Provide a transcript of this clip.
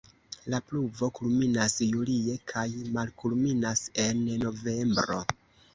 La pluvo kulminas julie kaj malkulminas en novembro.